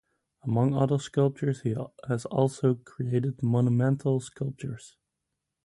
Among other sculptures he has also created monumental sculptures.